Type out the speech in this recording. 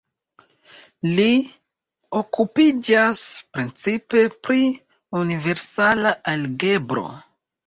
Li okupiĝas precipe pri universala algebro.